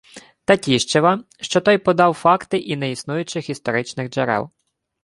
Татіщева, що той подав факти і «неіснуючих історичних джерел»